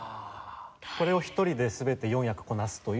これを１人で全て４役こなすという。